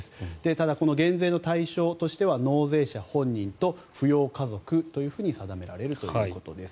ただこの減税の対象としては納税者本人と扶養家族と定められるということです。